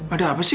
ada apa sih